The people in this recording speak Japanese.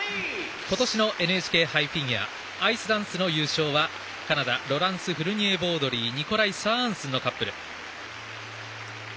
今年のＮＨＫ杯フィギュアアイスダンスの優勝はカナダロランス・フルニエボードリーニゴライ・サアアンスンのカップル。